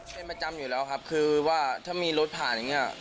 เป็นประจำอยู่แล้วครับคือว่าถ้ามีรถผ่านอย่างเงี้ย